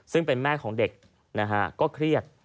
ซึ่งเป็นแม่ของเด็กนะฮะก็เครียด